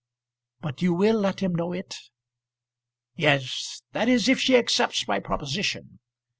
"But you will let him know it?" "Yes; that is if she accepts my proposition.